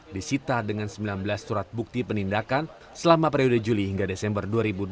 disita dengan sembilan belas surat bukti penindakan selama periode juli hingga desember dua ribu dua puluh